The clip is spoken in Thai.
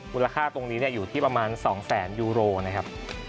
มูลค่าตรงนี้อยู่ที่ประมาณ๒แสนยูโรนะครับ